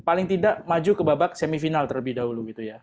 paling tidak maju ke babak semifinal terlebih dahulu gitu ya